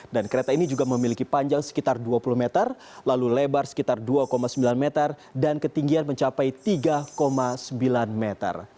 dan kereta ini juga memiliki panjang sekitar dua puluh meter lalu lebar sekitar dua sembilan meter dan ketinggian mencapai tiga sembilan meter